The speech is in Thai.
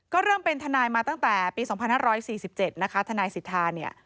ก็เริ่มเป็นทนายมาตั้งแต่ปี๒๕๔๗นะคะทนายสิทธาเนี่ย